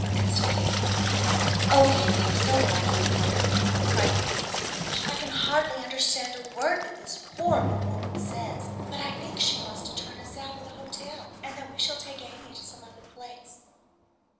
asked Katy, in amazement. "Oh, Katy, I am so glad you have come," cried poor Mrs. Ashe. "I can hardly understand a word that this horrible woman says, but I think she wants to turn us out of the hotel, and that we shall take Amy to some other place.